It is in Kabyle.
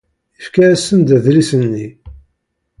Yefka-asen-d adlis-nni.